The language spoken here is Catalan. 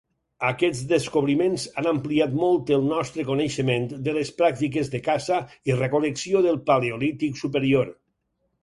Aquests descobriments han ampliat molt el nostre coneixement de les pràctices de caça i recol·lecció del paleolític superior.